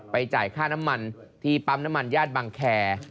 จ่ายค่าน้ำมันที่ปั๊มน้ำมันญาติบังแคร์